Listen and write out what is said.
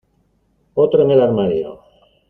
Otro en el armario.